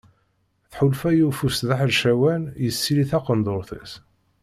Tḥulfa i ufus d aḥercawan yessili taqendurt-is.